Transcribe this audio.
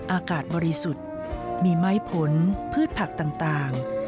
อากาศบริสุทธิ์มีไม้ผลพืชผักต่าง